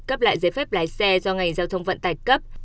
cấp lại giấy phép lái xe do ngành giao thông vận tải cấp